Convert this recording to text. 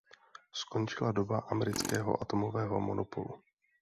Skončila doba amerického atomového monopolu.